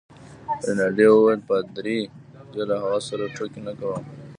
رینالډي وویل: پادري؟ زه له هغه سره ټوکې نه کوم.